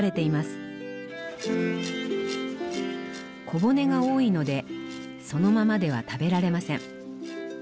小骨が多いのでそのままでは食べられません。